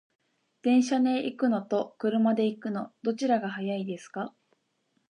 電車で行くのと車で行くの、どちらが早いですか？